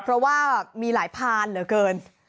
เพราะว่ามีหลายพานเหลือเกิน